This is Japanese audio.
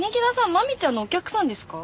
マミちゃんのお客さんですか？